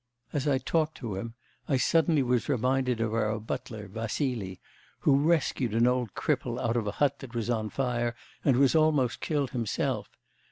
As I talked to him, I suddenly was reminded of our butler, Vassily, who rescued an old cripple out of a hut that was on fire, and was almost killed himself.